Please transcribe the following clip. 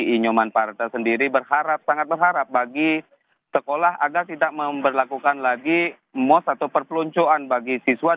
inyoman parta sendiri berharap sangat berharap bagi sekolah agar tidak memperlakukan lagi mos atau perpeluncuran bagi siswa